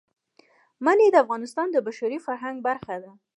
منی د افغانستان د بشري فرهنګ برخه ده.